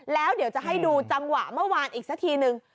แล้วเดี๋ยวจะให้ดูจังหวะเมื่อวานอีกสักทีนึง